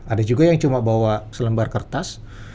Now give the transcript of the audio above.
ada juga yang cuma bawa selembar kertas